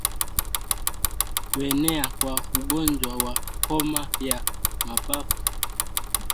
Kuenea kwa ugonjwa wa homa ya mapafu